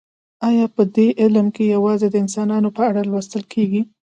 ایا په دې علم کې یوازې د انسانانو په اړه لوستل کیږي